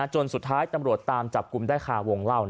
จนสุดท้ายตำรวจตามจับกลุ่มได้คาวงเล่า